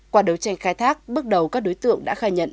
qua đấu tranh khai thác bước đầu các đối tượng đã khai nhận